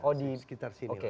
oh di sekitar sini